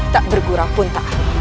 tak bergurau pun tak